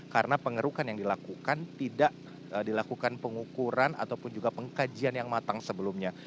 karena pengerukan yang dilakukan tidak dilakukan pengukuran ataupun juga pengkajian yang matang sebelumnya